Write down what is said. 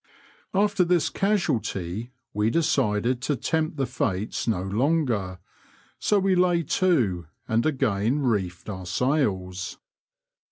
After this casualty we decided to tempt the fates no longer ; so we lay to and again reefed our sails.